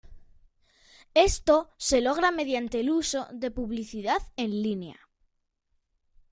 Esto se logra mediante el uso de publicidad en línea.